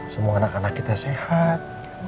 semua anak anak kita sehat